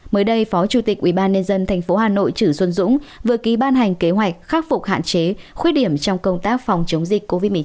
mới đây phó chủ tịch ubnd tp hà nội trữ xuân dũng vừa ký ban hành kế hoạch khắc phục hạn chế